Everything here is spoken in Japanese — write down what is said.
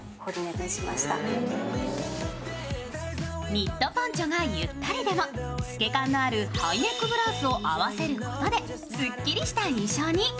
ニットポンチョがゆったりでも、透け感のあるハイネックブラウスを合わせることでスッキリした印象に。